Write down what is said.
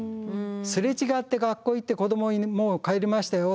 擦れ違って学校行って子どももう帰りましたよって。